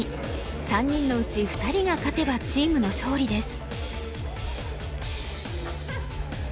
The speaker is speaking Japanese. ３人のうち２人が勝てばチームの勝利です。